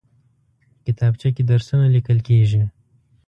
کتابچه کې درسونه لیکل کېږي